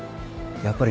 やっぱり。